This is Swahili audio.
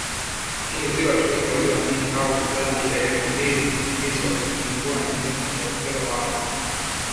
Lakini si watu wengi walioamini au kujali elimu hizo ilikuwa nje ya upeo wao